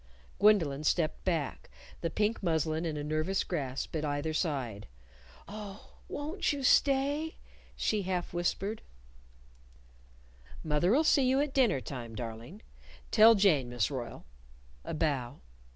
Gwendolyn stepped back the pink muslin in a nervous grasp at either side. "Oh, won't you stay?" she half whispered. "Mother'll see you at dinnertime, darling. Tell Jane, Miss Royle." A bow.